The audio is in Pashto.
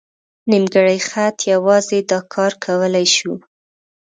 نیمګړی خط یوازې دا کار کولی شو.